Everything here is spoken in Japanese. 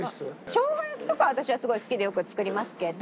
しょうが焼きとか私はすごい好きでよく作りますけど。